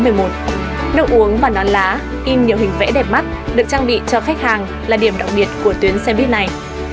nước uống và nón lá in nhiều hình vẽ đẹp mắt được trang bị cho khách hàng là điểm đặc biệt của tuyến xe buýt này